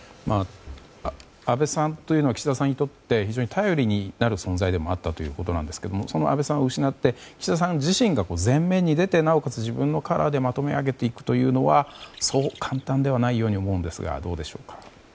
安倍さんというのは岸田さんにとって非常に頼りになる存在でもあったということですがその安倍さんを失って岸田さん自身が前面に出て、なおかつ自分のカラーでまとめていくのはそう簡単ではないように思うんですが、どうでしょうか。